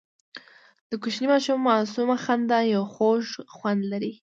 د کوچني ماشوم معصومه خندا یو خوږ خوند لري.